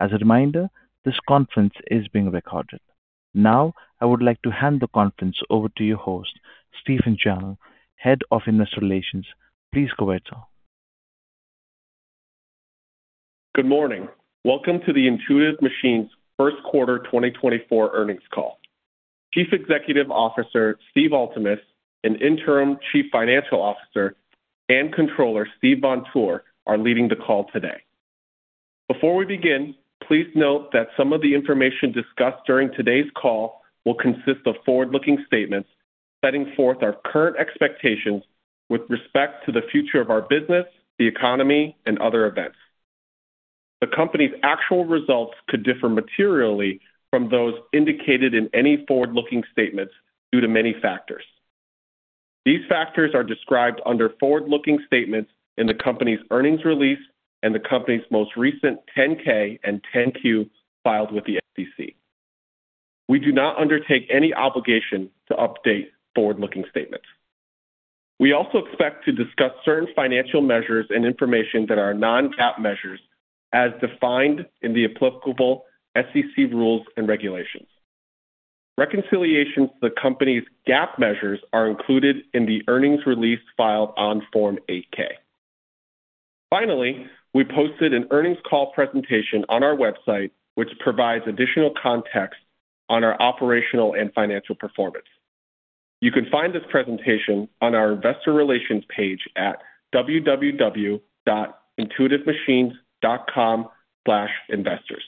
As a reminder, this conference is being recorded. Now I would like to hand the conference over to your host, Stephen Zhang, Head of Investor Relations. Please go ahead, Sir. Good morning. Welcome to the Intuitive Machines' First Quarter 2024 Earnings Call. Chief Executive Officer Steve Altemus and Interim Chief Financial Officer and Controller Steve Vontur are leading the call today. Before we begin, please note that some of the information discussed during today's call will consist of forward-looking statements setting forth our current expectations with respect to the future of our business, the economy, and other events. The company's actual results could differ materially from those indicated in any forward-looking statements due to many factors. These factors are described under forward-looking statements in the company's earnings release and the company's most recent 10-K and 10-Q filed with the SEC. We do not undertake any obligation to update forward-looking statements. We also expect to discuss certain financial measures and information that are non-GAAP measures as defined in the applicable SEC rules and regulations. Reconciliations to the company's GAAP measures are included in the earnings release filed on Form 8-K. Finally, we posted an earnings call presentation on our website which provides additional context on our operational and financial performance. You can find this presentation on our Investor Relations page at www.intuitivemachines.com/investors.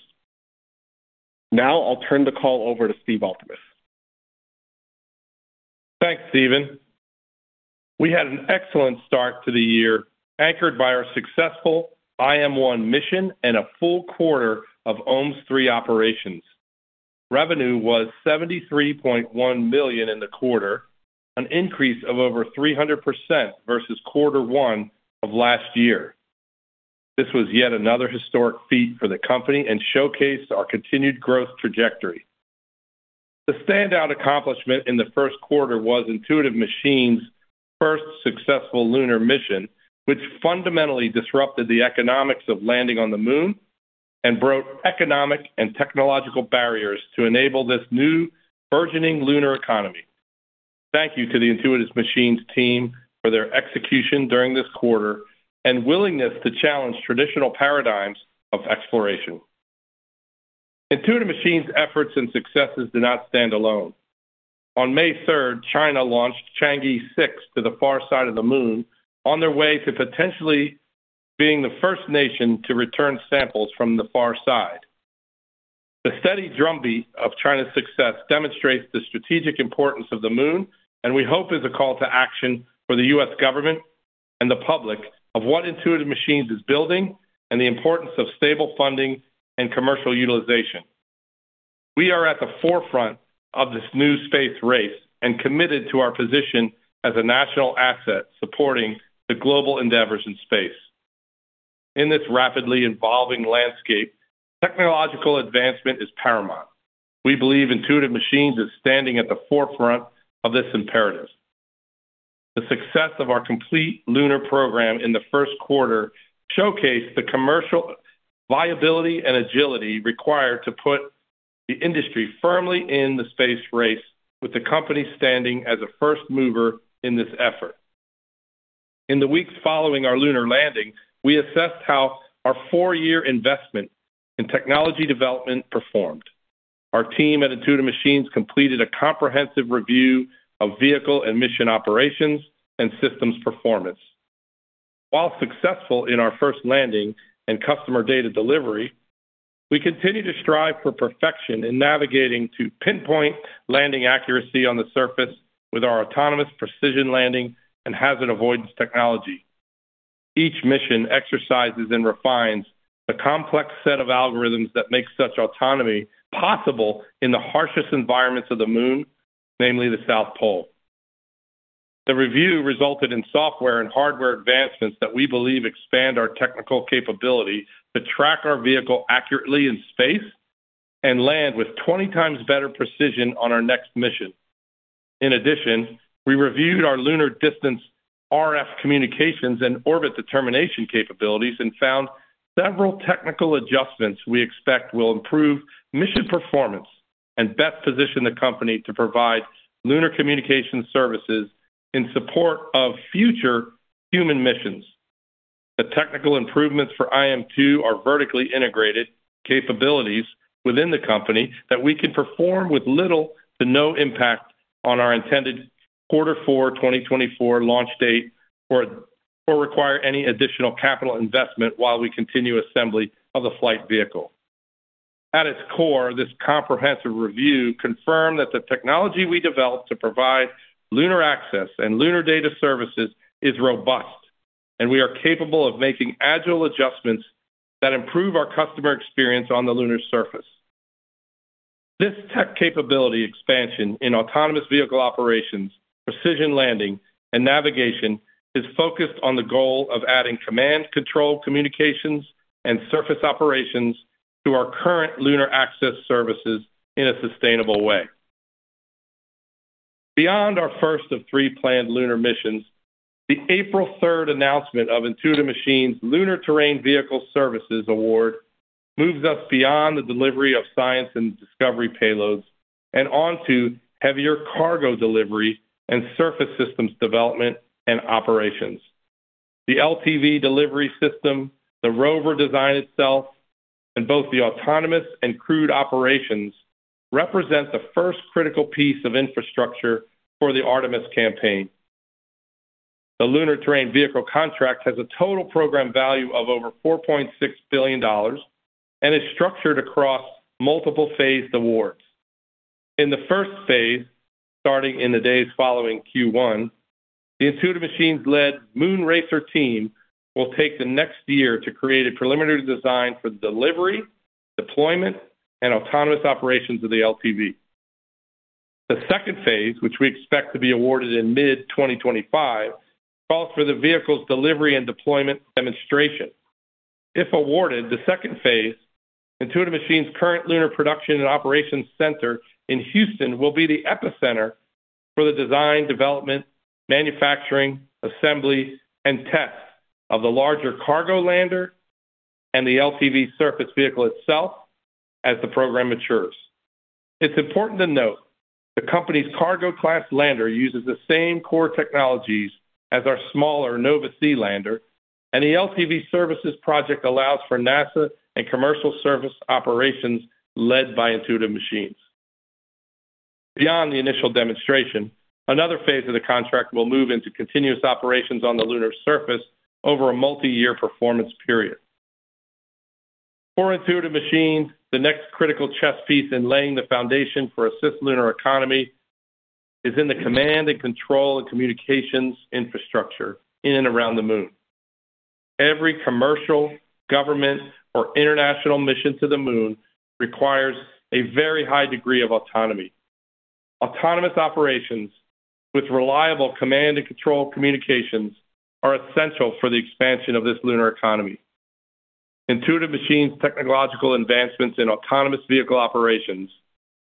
Now I'll turn the call over to Steve Altemus. Thanks, Stephen. We had an excellent start to the year anchored by our successful IM1 mission and a full quarter of OMES III operations. Revenue was $73.1 million in the quarter, an increase of over 300% versus quarter one of last year. This was yet another historic feat for the company and showcased our continued growth trajectory. The standout accomplishment in the first quarter was Intuitive Machines' first successful lunar mission, which fundamentally disrupted the economics of landing on the Moon and broke economic and technological barriers to enable this new, burgeoning lunar economy. Thank you to the Intuitive Machines team for their execution during this quarter and willingness to challenge traditional paradigms of exploration. Intuitive Machines' efforts and successes did not stand alone. On May 3rd, China launched Chang'e 6 to the far side of the Moon on their way to potentially being the first nation to return samples from the far side. The steady drumbeat of China's success demonstrates the strategic importance of the Moon, and we hope is a call to action for the U.S. government and the public of what Intuitive Machines is building and the importance of stable funding and commercial utilization. We are at the forefront of this new space race and committed to our position as a national asset supporting the global endeavors in space. In this rapidly evolving landscape, technological advancement is paramount. We believe Intuitive Machines is standing at the forefront of this imperative. The success of our complete lunar program in the first quarter showcased the commercial viability and agility required to put the industry firmly in the space race, with the company standing as a first mover in this effort. In the weeks following our lunar landing, we assessed how our four-year investment in technology development performed. Our team at Intuitive Machines completed a comprehensive review of vehicle and mission operations and systems performance. While successful in our first landing and customer data delivery, we continue to strive for perfection in navigating to pinpoint landing accuracy on the surface with our autonomous precision landing and hazard avoidance technology. Each mission exercises and refines the complex set of algorithms that make such autonomy possible in the harshest environments of the Moon, namely the South Pole. The review resulted in software and hardware advancements that we believe expand our technical capability to track our vehicle accurately in space and land with 20 times better precision on our next mission. In addition, we reviewed our lunar distance RF communications and orbit determination capabilities and found several technical adjustments we expect will improve mission performance and best position the company to provide lunar communications services in support of future human missions. The technical improvements for IM2 are vertically integrated capabilities within the company that we can perform with little to no impact on our intended quarter four 2024 launch date or require any additional capital investment while we continue assembly of the flight vehicle. At its core, this comprehensive review confirmed that the technology we developed to provide lunar access and lunar data services is robust, and we are capable of making agile adjustments that improve our customer experience on the lunar surface. This tech capability expansion in autonomous vehicle operations, precision landing, and navigation is focused on the goal of adding command-control communications and surface operations to our current lunar access services in a sustainable way. Beyond our first of three planned lunar missions, the April 3rd announcement of Intuitive Machines' Lunar Terrain Vehicle Services Award moves us beyond the delivery of science and discovery payloads and onto heavier cargo delivery and surface systems development and operations. The LTV delivery system, the rover design itself, and both the autonomous and crewed operations represent the first critical piece of infrastructure for the Artemis campaign. The Lunar Terrain Vehicle contract has a total program value of over $4.6 billion and is structured across multiple-phased awards. In the first phase, starting in the days following Q1, the Intuitive Machines-led MoonRACER team will take the next year to create a preliminary design for the delivery, deployment, and autonomous operations of the LTV. The second phase, which we expect to be awarded in mid-2025, calls for the vehicle's delivery and deployment demonstration. If awarded, the second phase, Intuitive Machines' current lunar production and operations center in Houston will be the epicenter for the design, development, manufacturing, assembly, and tests of the larger cargo lander and the LTV surface vehicle itself as the program matures. It's important to note the company's cargo-class lander uses the same core technologies as our smaller Nova-C lander, and the LTV services project allows for NASA and commercial service operations led by Intuitive Machines. Beyond the initial demonstration, another phase of the contract will move into continuous operations on the lunar surface over a multi-year performance period. For Intuitive Machines, the next critical chess piece in laying the foundation for a cislunar economy is in the command and control and communications infrastructure in and around the Moon. Every commercial, government, or international mission to the Moon requires a very high degree of autonomy. Autonomous operations with reliable command and control communications are essential for the expansion of this lunar economy. Intuitive Machines' technological advancements in autonomous vehicle operations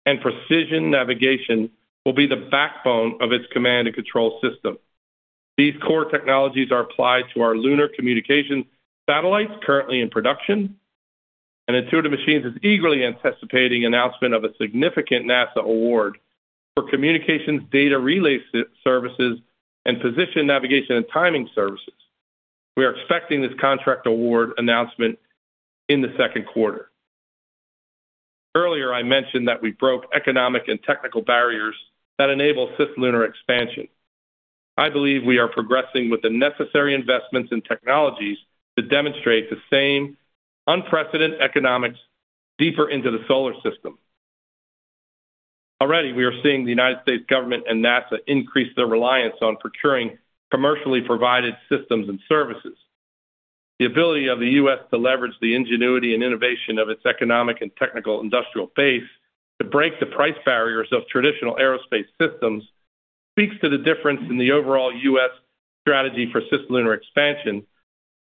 and precision navigation will be the backbone of its command and control system. These core technologies are applied to our lunar communications satellites currently in production, and Intuitive Machines is eagerly anticipating announcement of a significant NASA award for communications data relay services and position navigation and timing services. We are expecting this contract award announcement in the second quarter. Earlier, I mentioned that we broke economic and technical barriers that enable cislunar expansion. I believe we are progressing with the necessary investments and technologies to demonstrate the same unprecedented economics deeper into the solar system. Already, we are seeing the United States government and NASA increase their reliance on procuring commercially provided systems and services. The ability of the U.S. to leverage the ingenuity and innovation of its economic and technical industrial base to break the price barriers of traditional aerospace systems speaks to the difference in the overall U.S. Strategy for cislunar expansion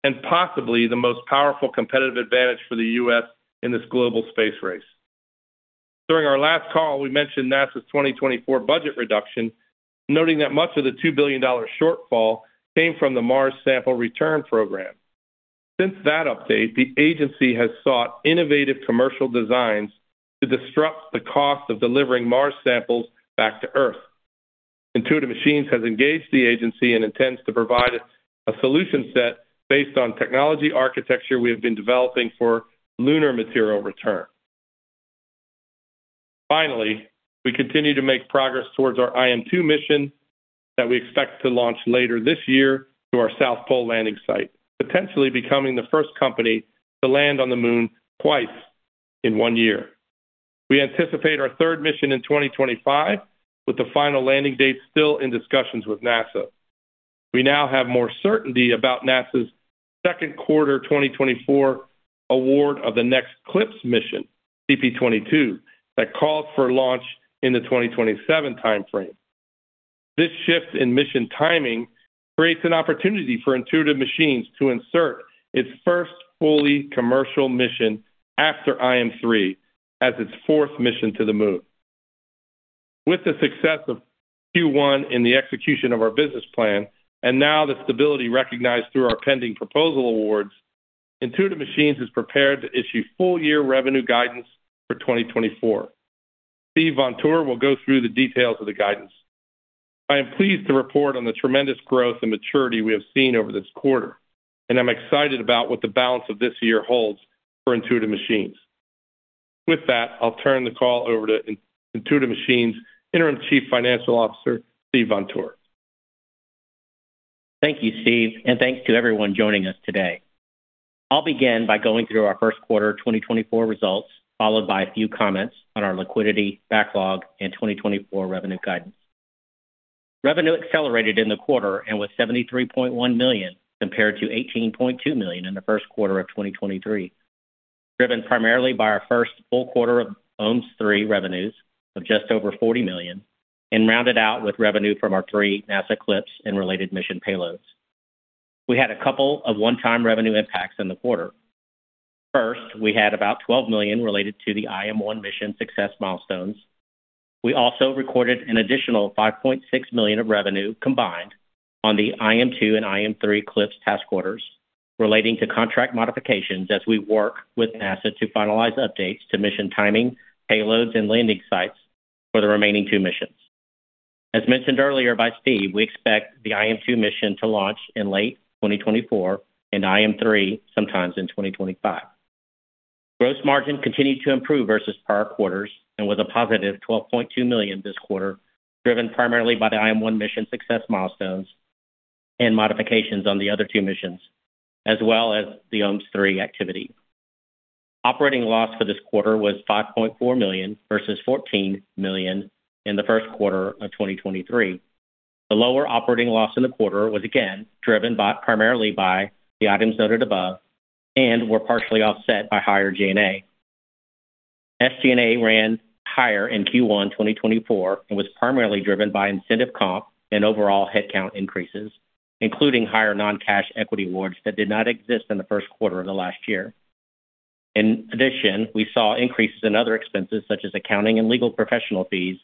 and possibly the most powerful competitive advantage for the U.S. in this global space race. During our last call, we mentioned NASA's 2024 budget reduction, noting that much of the $2 billion shortfall came from the Mars Sample Return Program. Since that update, the agency has sought innovative commercial designs to disrupt the cost of delivering Mars samples back to Earth. Intuitive Machines has engaged the agency and intends to provide a solution set based on technology architecture we have been developing for lunar material return. Finally, we continue to make progress towards our IM2 mission that we expect to launch later this year to our South Pole landing site, potentially becoming the first company to land on the Moon twice in one year. We anticipate our third mission in 2025, with the final landing date still in discussions with NASA. We now have more certainty about NASA's second quarter 2024 award of the next CLPS mission, CP22, that calls for launch in the 2027 time frame. This shift in mission timing creates an opportunity for Intuitive Machines to insert its first fully commercial mission after IM3 as its fourth mission to the Moon. With the success of Q1 in the execution of our business plan and now the stability recognized through our pending proposal awards, Intuitive Machines is prepared to issue full-year revenue guidance for 2024. Steve Vontur will go through the details of the guidance. I am pleased to report on the tremendous growth and maturity we have seen over this quarter, and I'm excited about what the balance of this year holds for Intuitive Machines. With that, I'll turn the call over to Intuitive Machines' Interim Chief Financial Officer, Steve Vontur. Thank you, Steve, and thanks to everyone joining us today. I'll begin by going through our first quarter 2024 results, followed by a few comments on our liquidity, backlog, and 2024 revenue guidance. Revenue accelerated in the quarter and was $73.1 million compared to $18.2 million in the first quarter of 2023, driven primarily by our first full quarter of OMES III revenues of just over $40 million and rounded out with revenue from our three NASA CLPS and related mission payloads. We had a couple of one-time revenue impacts in the quarter. First, we had about $12 million related to the IM1 mission success milestones. We also recorded an additional $5.6 million of revenue combined on the IM2 and IM3 CLPS task orders relating to contract modifications as we work with NASA to finalize updates to mission timing, payloads, and landing sites for the remaining two missions. As mentioned earlier by Steve, we expect the IM2 mission to launch in late 2024 and IM3 sometime in 2025. Gross margin continued to improve versus prior quarters and was a positive $12.2 million this quarter, driven primarily by the IM1 mission success milestones and modifications on the other two missions, as well as the OMES III activity. Operating loss for this quarter was $5.4 million versus $14 million in the first quarter of 2023. The lower operating loss in the quarter was again driven primarily by the items noted above and was partially offset by higher G&A. SG&A ran higher in Q1 2024 and was primarily driven by incentive comp and overall headcount increases, including higher non-cash equity awards that did not exist in the first quarter of the last year. In addition, we saw increases in other expenses such as accounting and legal professional fees,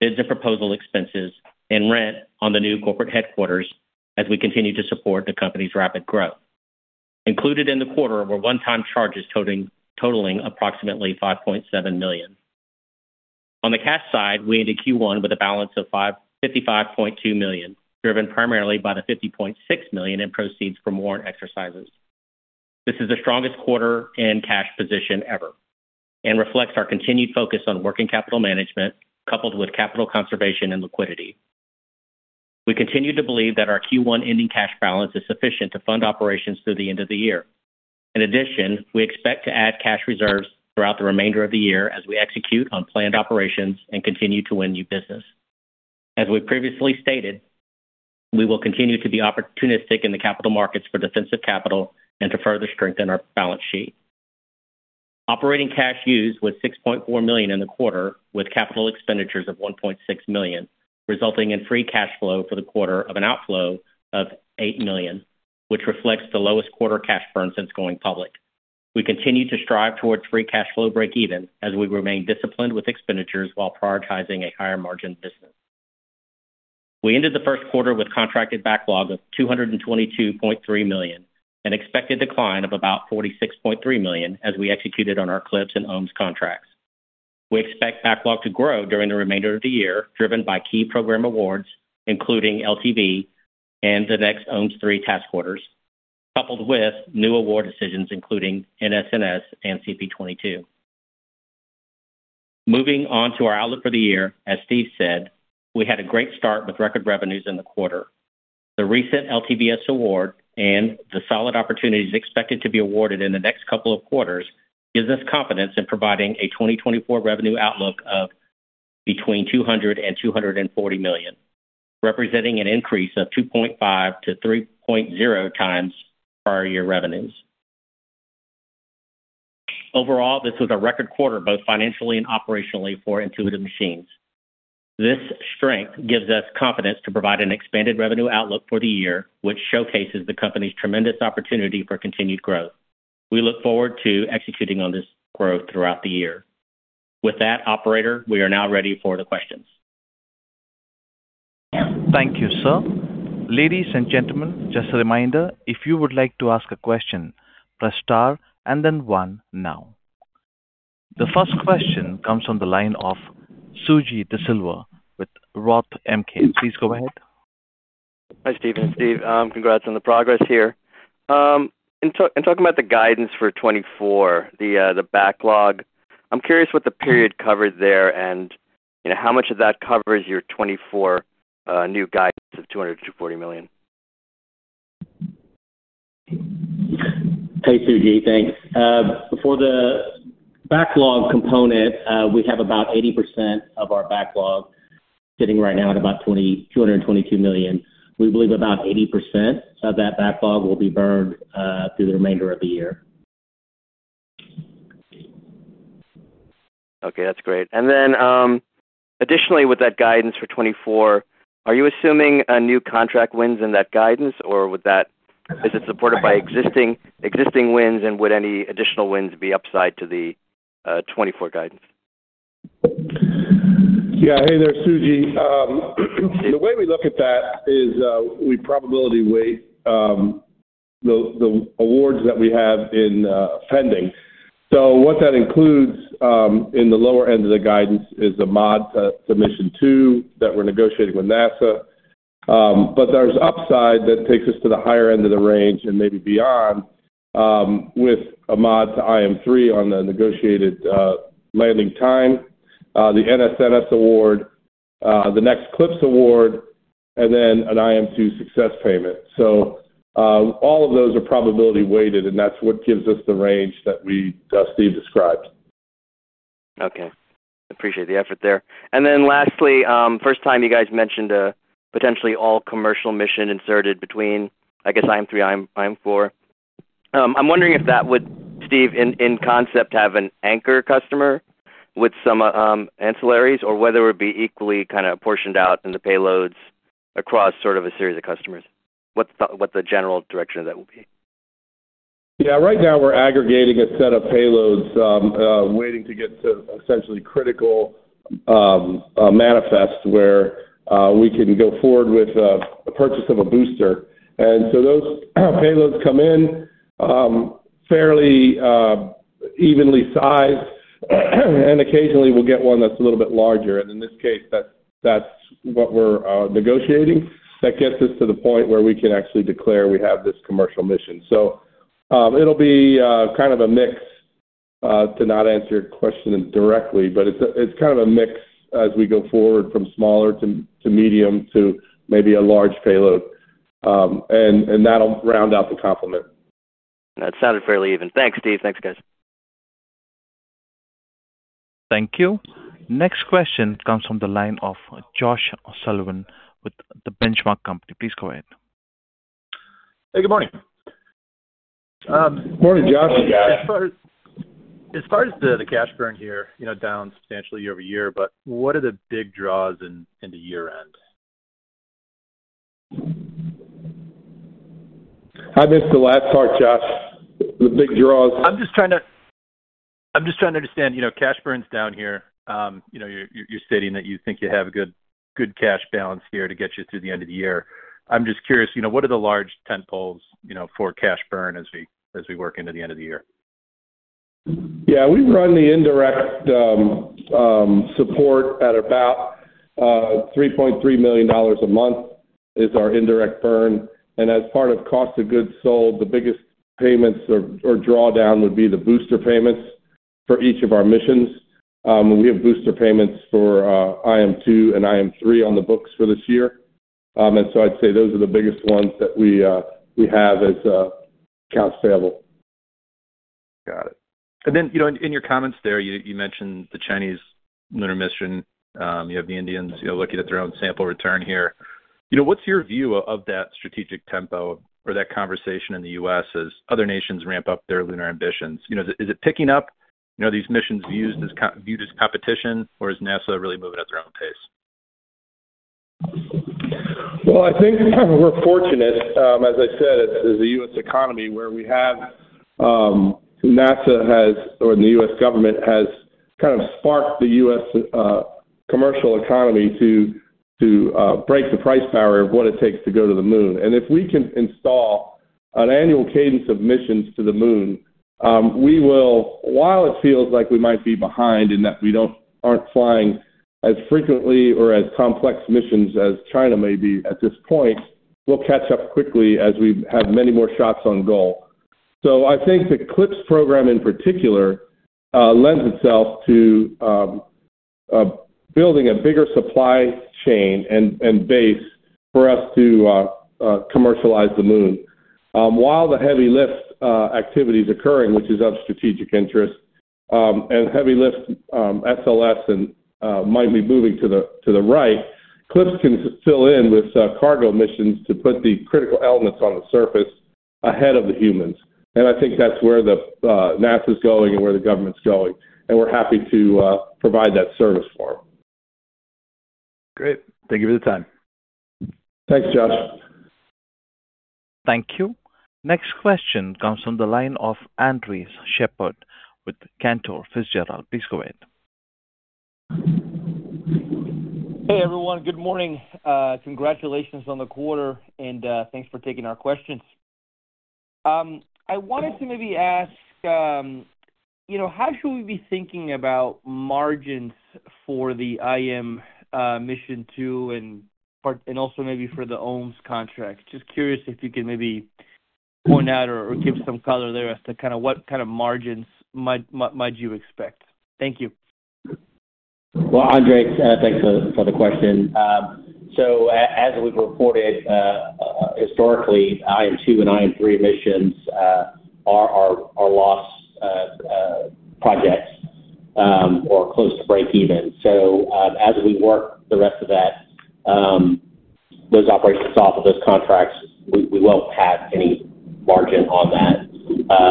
bids and proposal expenses, and rent on the new corporate headquarters as we continue to support the company's rapid growth. Included in the quarter were one-time charges totaling approximately $5.7 million. On the cash side, we ended Q1 with a balance of $55.2 million, driven primarily by the $50.6 million in proceeds from warrant exercises. This is the strongest quarter in cash position ever and reflects our continued focus on working capital management coupled with capital conservation and liquidity. We continue to believe that our Q1 ending cash balance is sufficient to fund operations through the end of the year. In addition, we expect to add cash reserves throughout the remainder of the year as we execute on planned operations and continue to win new business. As we previously stated, we will continue to be opportunistic in the capital markets for defensive capital and to further strengthen our balance sheet. Operating cash used was $6.4 million in the quarter with capital expenditures of $1.6 million, resulting in free cash flow for the quarter of an outflow of $8 million, which reflects the lowest quarter cash burn since going public. We continue to strive towards free cash flow breakeven as we remain disciplined with expenditures while prioritizing a higher margin business. We ended the first quarter with contracted backlog of $222.3 million and expected decline of about $46.3 million as we executed on our CLPS and OMES contracts. We expect backlog to grow during the remainder of the year, driven by key program awards, including LTV and the next OMES III task orders, coupled with new award decisions including NSNS and CP22. Moving on to our outlook for the year, as Steve said, we had a great start with record revenues in the quarter. The recent LTV award and the solid opportunities expected to be awarded in the next couple of quarters give us confidence in providing a 2024 revenue outlook of between $200 million and $240 million, representing an increase of 2.5x-3.0x prior year revenues. Overall, this was a record quarter both financially and operationally for Intuitive Machines. This strength gives us confidence to provide an expanded revenue outlook for the year, which showcases the company's tremendous opportunity for continued growth. We look forward to executing on this growth throughout the year. With that, operator, we are now ready for the questions. Thank you, sir. Ladies and gentlemen, just a reminder, if you would like to ask a question, press star and then one now. The first question comes from the line of Suji Desilva with Roth MKM. Please go ahead. Hi, Steven. Steve, congrats on the progress here. In talking about the guidance for 2024, the backlog, I'm curious what the period covered there and how much of that covers your 2024 new guidance of $200 million-$240 million. Hey, Suji. Thanks. For the backlog component, we have about 80% of our backlog sitting right now at about $222 million. We believe about 80% of that backlog will be burned through the remainder of the year. Okay. That's great. And then additionally, with that guidance for 2024, are you assuming new contract wins in that guidance, or is it supported by existing wins, and would any additional wins be upside to the 2024 guidance? Yeah. Hey there, Suji. The way we look at that is we probability weight the awards that we have in pending. So what that includes in the lower end of the guidance is a mod to mission two that we're negotiating with NASA. But there's upside that takes us to the higher end of the range and maybe beyond with a mod to IM3 on the negotiated landing time, the NSNS award, the next CLPS award, and then an IM2 success payment. So all of those are probability weighted, and that's what gives us the range that Steve described. Okay. Appreciate the effort there. Then lastly, first time you guys mentioned a potentially all-commercial mission inserted between, I guess, IM3 and IM4. I'm wondering if that would, Steve, in concept have an anchor customer with some ancillaries or whether it would be equally kind of portioned out in the payloads across sort of a series of customers. What the general direction of that will be? Yeah. Right now, we're aggregating a set of payloads waiting to get to essentially critical manifest where we can go forward with the purchase of a booster. And so those payloads come in fairly evenly sized, and occasionally, we'll get one that's a little bit larger. And in this case, that's what we're negotiating that gets us to the point where we can actually declare we have this commercial mission. So it'll be kind of a mix to not answer your question directly, but it's kind of a mix as we go forward from smaller to medium to maybe a large payload. And that'll round out the complement. That sounded fairly even. Thanks, Steve. Thanks, guys. Thank you. Next question comes from the line of Josh Sullivan with The Benchmark Company. Please go ahead. Hey. Good morning. Morning, Josh. As far as the cash burn here, down substantially year-over-year, but what are the big draws in the year-end? I missed the last part, Josh. The big draws. I'm just trying to understand. Cash burn's down here. You're stating that you think you have a good cash balance here to get you through the end of the year. I'm just curious, what are the large tentpoles for cash burn as we work into the end of the year? Yeah. We run the indirect support at about $3.3 million a month is our indirect burn. And as part of cost of goods sold, the biggest payments or drawdown would be the booster payments for each of our missions. We have booster payments for IM2 and IM3 on the books for this year. And so I'd say those are the biggest ones that we have as accounts payable. Got it. And then in your comments there, you mentioned the Chinese lunar mission. You have the Indians looking at their own sample return here. What's your view of that strategic tempo or that conversation in the U.S. as other nations ramp up their lunar ambitions? Is it picking up these missions viewed as competition, or is NASA really moving at their own pace? Well, I think we're fortunate, as I said, as the U.S. economy where we have NASA has or the U.S. government has kind of sparked the U.S. commercial economy to break the price barrier of what it takes to go to the Moon. And if we can install an annual cadence of missions to the Moon, we will, while it feels like we might be behind in that we aren't flying as frequently or as complex missions as China may be at this point, we'll catch up quickly as we have many more shots on goal. So I think the CLPS program in particular lends itself to building a bigger supply chain and base for us to commercialize the Moon. While the heavy lift activity's occurring, which is of strategic interest, and heavy lift SLS might be moving to the right, CLPS can fill in with cargo missions to put the critical elements on the surface ahead of the humans. And I think that's where NASA's going and where the government's going. And we're happy to provide that service for them. Great. Thank you for the time. Thanks, Josh. Thank you. Next question comes from the line of Andres Sheppard with Cantor Fitzgerald. Please go ahead. Hey, everyone. Good morning. Congratulations on the quarter, and thanks for taking our questions. I wanted to maybe ask, how should we be thinking about margins for the IM mission 2 and also maybe for the OMES contract? Just curious if you can maybe point out or give some color there as to kind of what kind of margins might you expect. Thank you. Well, Andres, thanks for the question. So as we've reported, historically, IM2 and IM3 missions are loss projects or close to breakeven. So as we work the rest of those operations off of those contracts, we won't have any margin on that.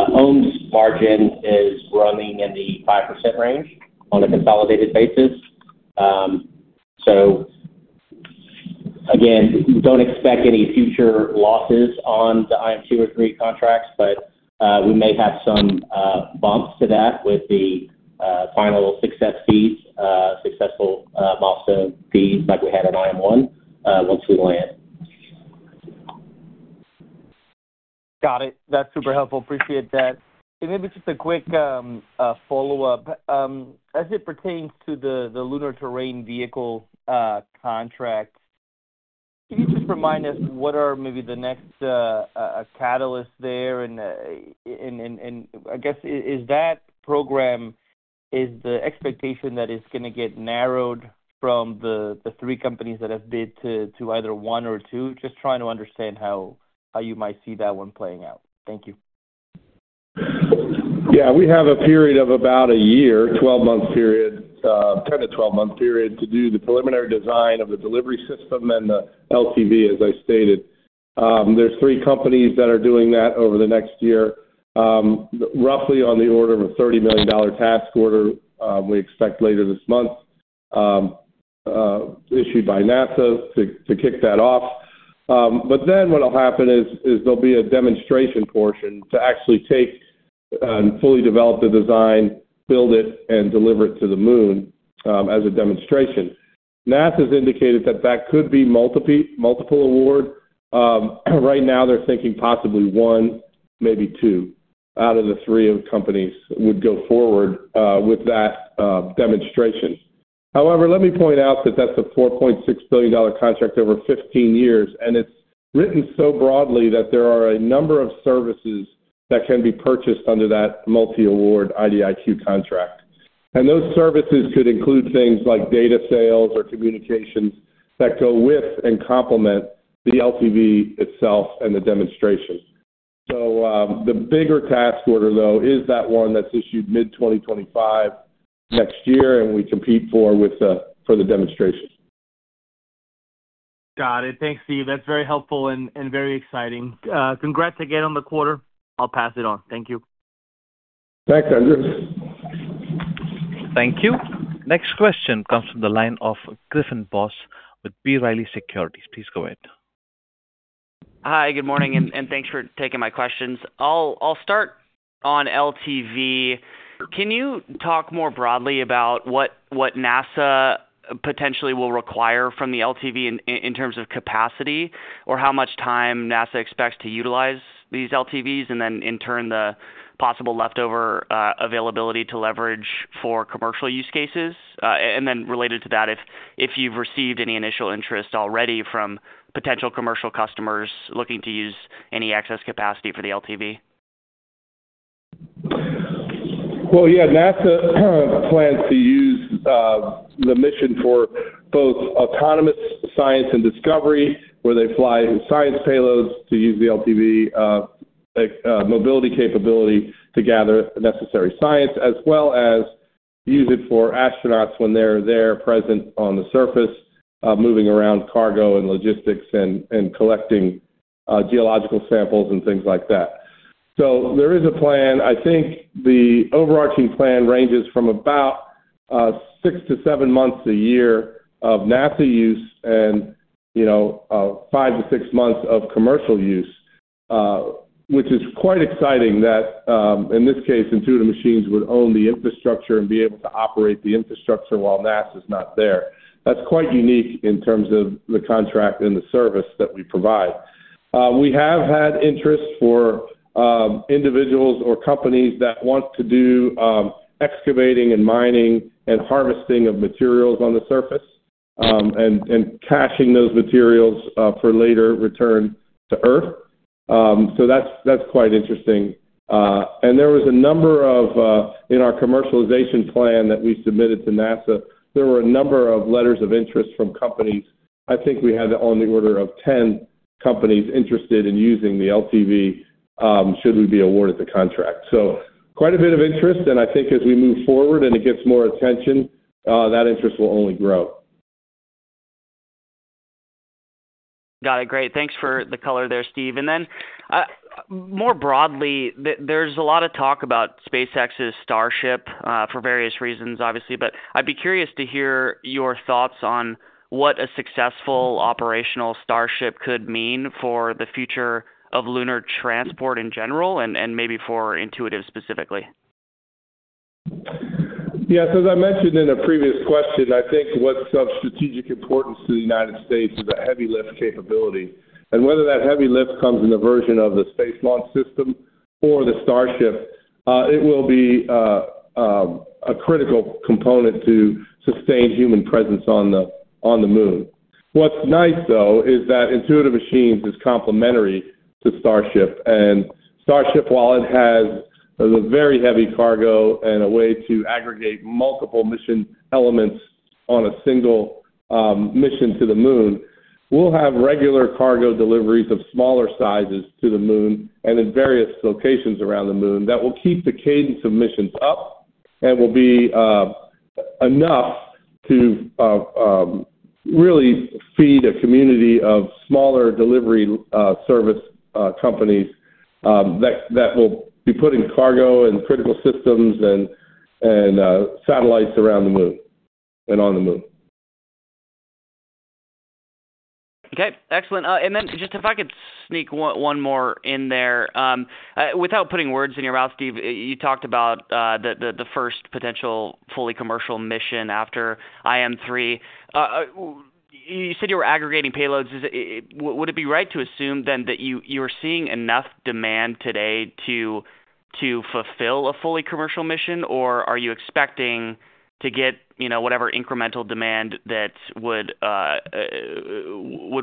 IM's margin is running in the 5% range on a consolidated basis. So again, don't expect any future losses on the IM2 or IM3 contracts, but we may have some bumps to that with the final success fees, successful milestone fees like we had on IM1 once we land. Got it. That's super helpful. Appreciate that. Maybe just a quick follow-up. As it pertains to the Lunar Terrain Vehicle contract, can you just remind us what are maybe the next catalysts there? I guess, is that program the expectation that it's going to get narrowed from the three companies that have bid to either one or two? Just trying to understand how you might see that one playing out. Thank you. Yeah. We have a period of about a year, 12-month period, 10-12-month period to do the preliminary design of the delivery system and the LTV, as I stated. There's 3 companies that are doing that over the next year, roughly on the order of a $30 million task order we expect later this month issued by NASA to kick that off. But then what'll happen is there'll be a demonstration portion to actually take and fully develop the design, build it, and deliver it to the Moon as a demonstration. NASA's indicated that that could be multiple awards. Right now, they're thinking possibly 1, maybe 2 out of the 3 companies would go forward with that demonstration. However, let me point out that that's a $4.6 billion contract over 15 years, and it's written so broadly that there are a number of services that can be purchased under that multi-award IDIQ contract. Those services could include things like data sales or communications that go with and complement the LTV itself and the demonstration. The bigger task order, though, is that one that's issued mid-2025 next year, and we compete for the demonstration. Got it. Thanks, Steve. That's very helpful and very exciting. Congrats again on the quarter. I'll pass it on. Thank you. Thanks, Andres. Thank you. Next question comes from the line of Griffin Boss with B. Riley Securities. Please go ahead. Hi. Good morning. Thanks for taking my questions. I'll start on LTV. Can you talk more broadly about what NASA potentially will require from the LTV in terms of capacity or how much time NASA expects to utilize these LTVs and then, in turn, the possible leftover availability to leverage for commercial use cases? Related to that, if you've received any initial interest already from potential commercial customers looking to use any excess capacity for the LTV. Well, yeah. NASA plans to use the mission for both autonomous science and discovery, where they fly science payloads to use the LTV mobility capability to gather necessary science, as well as use it for astronauts when they're there, present on the surface, moving around cargo and logistics and collecting geological samples and things like that. So there is a plan. I think the overarching plan ranges from about six to seven months a year of NASA use and five to six months of commercial use, which is quite exciting that, in this case, Intuitive Machines would own the infrastructure and be able to operate the infrastructure while NASA's not there. That's quite unique in terms of the contract and the service that we provide. We have had interest for individuals or companies that want to do excavating and mining and harvesting of materials on the surface and caching those materials for later return to Earth. So that's quite interesting. And there was a number of in our commercialization plan that we submitted to NASA, there were a number of letters of interest from companies. I think we had on the order of 10 companies interested in using the LTV should we be awarded the contract. So quite a bit of interest. And I think as we move forward and it gets more attention, that interest will only grow. Got it. Great. Thanks for the color there, Steve. Then more broadly, there's a lot of talk about SpaceX's Starship for various reasons, obviously, but I'd be curious to hear your thoughts on what a successful operational Starship could mean for the future of lunar transport in general and maybe for Intuitive specifically. Yeah. So as I mentioned in a previous question, I think what's of strategic importance to the United States is a heavy lift capability. Whether that heavy lift comes in the version of the Space Launch System or the Starship, it will be a critical component to sustain human presence on the Moon. What's nice, though, is that Intuitive Machines is complementary to Starship. Starship, while it has the very heavy cargo and a way to aggregate multiple mission elements on a single mission to the Moon, will have regular cargo deliveries of smaller sizes to the Moon and in various locations around the Moon that will keep the cadence of missions up and will be enough to really feed a community of smaller delivery service companies that will be putting cargo and critical systems and satellites around the Moon and on the Moon. Okay. Excellent. And then just if I could sneak one more in there. Without putting words in your mouth, Steve, you talked about the first potential fully commercial mission after IM3. You said you were aggregating payloads. Would it be right to assume then that you are seeing enough demand today to fulfill a fully commercial mission, or are you expecting to get whatever incremental demand that would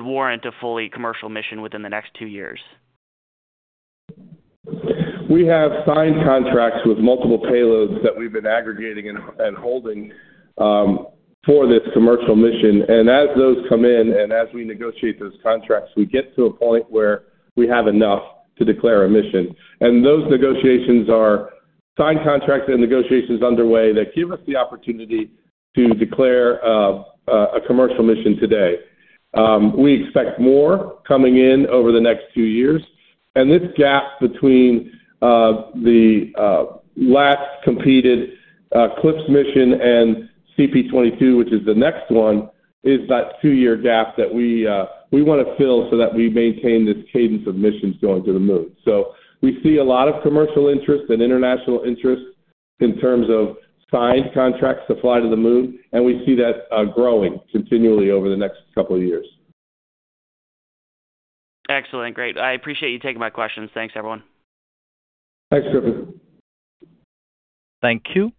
warrant a fully commercial mission within the next two years? We have signed contracts with multiple payloads that we've been aggregating and holding for this commercial mission. And as those come in and as we negotiate those contracts, we get to a point where we have enough to declare a mission. And those negotiations are signed contracts and negotiations underway that give us the opportunity to declare a commercial mission today. We expect more coming in over the next two years. And this gap between the last competed CLPS mission and CP22, which is the next one, is that two-year gap that we want to fill so that we maintain this cadence of missions going to the Moon. So we see a lot of commercial interest and international interest in terms of signed contracts to fly to the Moon, and we see that growing continually over the next couple of years. Excellent. Great. I appreciate you taking my questions. Thanks, everyone. Thanks, Griffin. Thank you.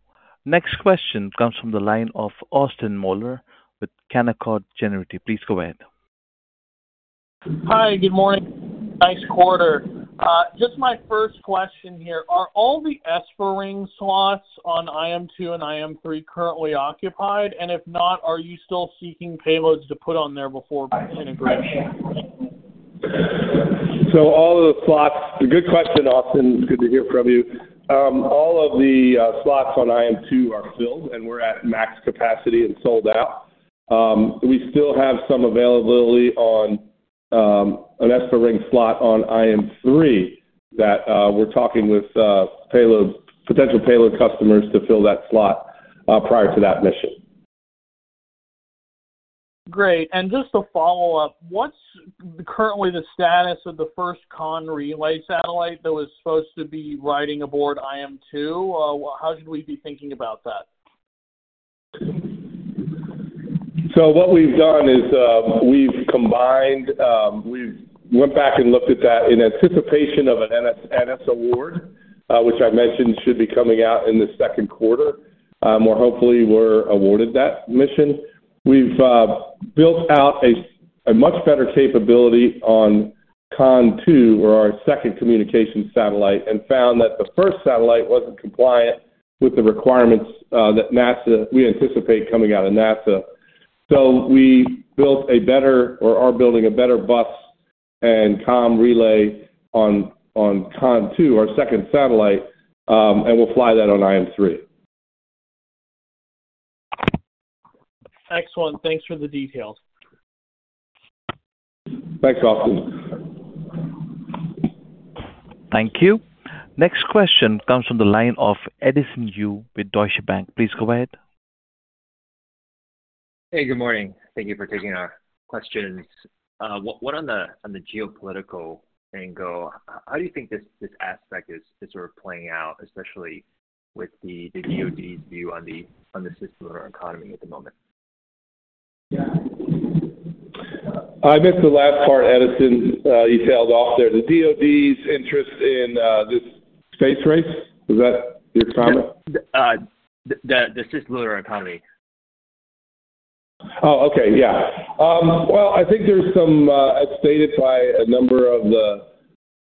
Next question comes from the line of Austin Moeller with Canaccord Genuity. Please go ahead. Hi. Good morning. Nice quarter. Just my first question here. Are all the ESPA ring slots on IM2 and IM3 currently occupied? And if not, are you still seeking payloads to put on there before integration? So, that's a good question, Austin. It's good to hear from you. All of the slots on IM2 are filled, and we're at max capacity and sold out. We still have some availability on an ESPA ring slot on IM3 that we're talking with potential payload customers to fill that slot prior to that mission. Great. And just a follow-up. What's currently the status of the first Khon 1 relay satellite that was supposed to be riding aboard IM2? How should we be thinking about that? So what we've done is we've combined we went back and looked at that in anticipation of an NS award, which I mentioned should be coming out in the second quarter, where hopefully we're awarded that mission. We've built out a much better capability on Khon 2, or our second communications satellite, and found that the first satellite wasn't compliant with the requirements that we anticipate coming out of NASA. So we built a better or are building a better bus and comm relay on Khon 2, our second satellite, and we'll fly that on IM3. Excellent. Thanks for the details. Thanks, Austin. Thank you. Next question comes from the line of Edison Yu with Deutsche Bank. Please go ahead. Hey. Good morning. Thank you for taking our questions. What on the geopolitical angle, how do you think this aspect is sort of playing out, especially with the DoD's view on the cislunar economy at the moment? I missed the last part, Edison. You faded off there. The DoD's interest in this space race? Was that your comment? The cislunar economy. Oh, okay. Yeah. Well, I think there's some, as stated by a number of the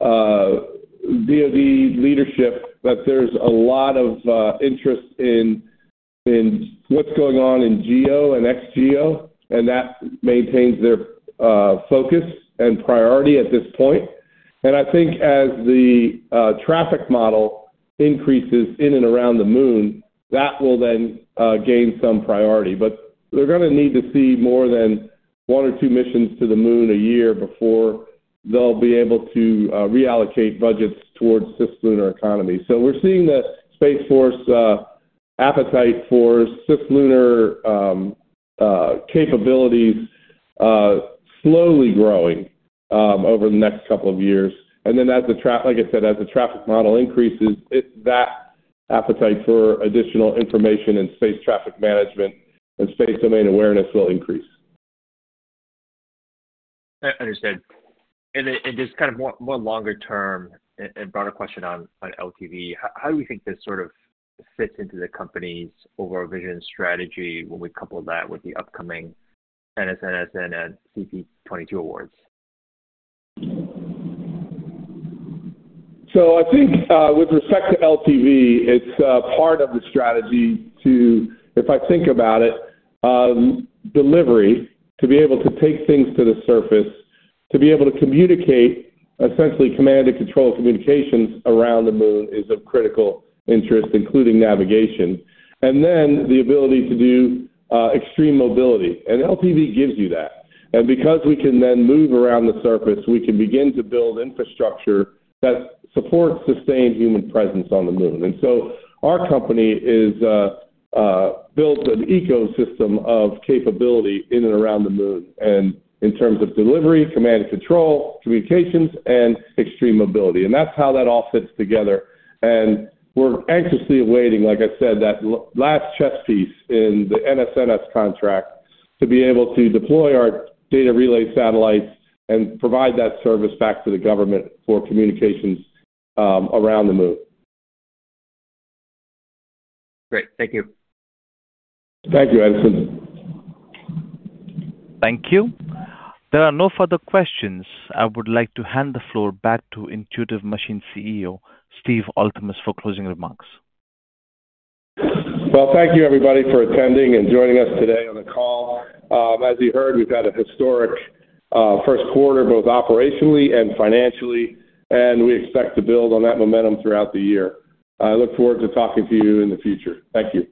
DoD leadership, that there's a lot of interest in what's going on in geo and ex-geo, and that maintains their focus and priority at this point. And I think as the traffic model increases in and around the Moon, that will then gain some priority. But they're going to need to see more than one or two missions to the Moon a year before they'll be able to reallocate budgets towards cislunar economy. So we're seeing the Space Force appetite for cislunar capabilities slowly growing over the next couple of years. And then as, like I said, as the traffic model increases, that appetite for additional information in space traffic management and space domain awareness will increase. Understood. Just kind of more longer-term and broader question on LTV. How do we think this sort of fits into the company's overall vision and strategy when we couple that with the upcoming NSNS, and CP22 awards? So I think with respect to LTV, it's part of the strategy to, if I think about it, delivery, to be able to take things to the surface, to be able to communicate. Essentially command and control communications around the Moon is of critical interest, including navigation, and then the ability to do extreme mobility. And LTV gives you that. And because we can then move around the surface, we can begin to build infrastructure that supports sustained human presence on the Moon. And so our company builds an ecosystem of capability in and around the Moon in terms of delivery, command and control, communications, and extreme mobility. And that's how that all fits together. We're anxiously awaiting, like I said, that last chess piece in the NSNS contract to be able to deploy our data relay satellites and provide that service back to the government for communications around the Moon. Great. Thank you. Thank you, Edison. Thank you. There are no further questions. I would like to hand the floor back to Intuitive Machines CEO Steve Altemus for closing remarks. Well, thank you, everybody, for attending and joining us today on the call. As you heard, we've had a historic first quarter both operationally and financially, and we expect to build on that momentum throughout the year. I look forward to talking to you in the future. Thank you.